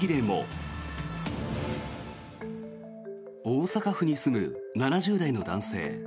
大阪府に住む７０代の男性。